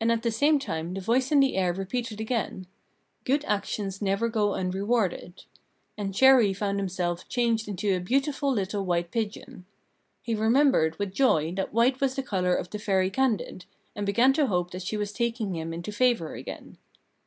And at the same time the voice in the air repeated again, "Good actions never go unrewarded." And Chéri found himself changed into a beautiful little white pigeon. He remembered with joy that white was the colour of the Fairy Candide, and began to hope that she was taking him into favour again.